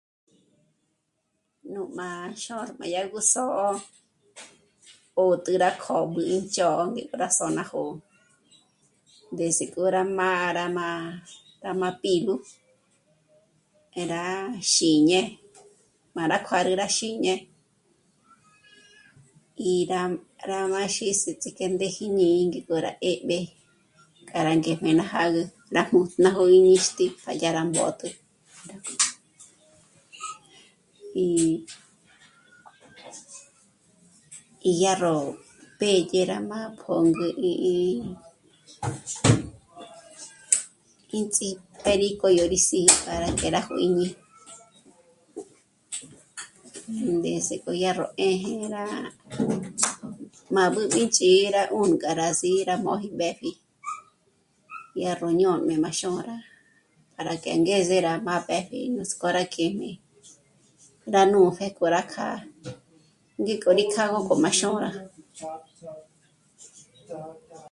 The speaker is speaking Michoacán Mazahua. Nú m'a xôra má yá gú só'o 'ö̀tjü rá kób'ü índzh'ö̀'ö ngé rá só'o ná jó'o, desde k'o rá mâ'a rá má... rá má pîlu eh... rá... xîñe, má rá kuárü rá xîñe y rá... rá má xíts'ik'e ngéji íñí'i k'ô rá 'é'b'e k'a rá ngéjme ná jâgü ná jó'o gí ñíxtji pa dyá rá mbót'ü y... yá ró pédye rá má pôngü y... y ndzí'té k'o yó rí s'í'i que rá juîñi ndés'e k'o yá ró 'éje rá... má mbùbíjch'i rá 'ùnk'a rá sî'i rá móji mbépji yá ró ñôjmé má xôra para que angeze rá má pë́pji nuts'k'ó rá kjíjmi rá nùnje k'o rá kjâ'a ngék'o rí kjâ'a gó k'o rá xôra